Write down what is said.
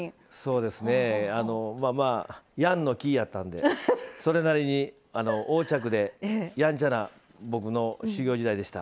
ヤンのキーやったんでそれなりに横着でやんちゃな僕の修業時代でした。